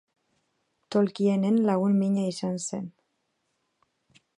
Tolkienen lagun mina izan zen.